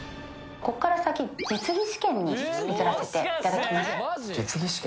こっから先実技試験に移らせていただきます実技試験？